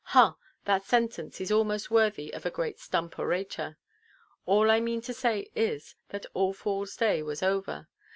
Ha, that sentence is almost worthy of a great stump–orator. All I mean to say is, that All Foolsʼ Day was over.